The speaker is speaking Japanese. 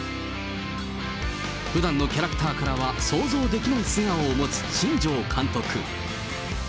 ふだんのキャラクターからは想像できない素顔を持つ新庄監督。